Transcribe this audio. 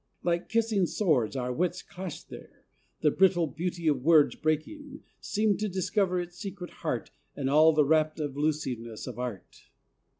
Like kissing swords Our wits clashed there; the brittle beauty of words Breaking, seemed to discover its secret heart And all the rapt elusiveness of Art.